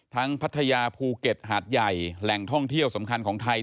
พัทยาภูเก็ตหาดใหญ่แหล่งท่องเที่ยวสำคัญของไทย